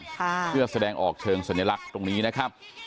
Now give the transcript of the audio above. เพื่อแสดงออกเชิงสัญลักษณ์ตรงนี้นะครับ